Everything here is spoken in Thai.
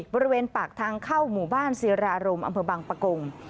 บริเวณปากทางเข้าหมู่บ้านศิรารมอำเภอบังปะกง